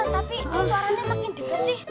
tapi suaranya makin dipercih